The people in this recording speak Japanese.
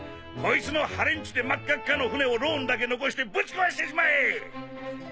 こいつのハレンチで真っ赤っかの艇をローンだけ残してぶち壊してしまえ！